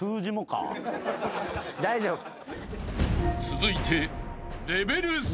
［続いて］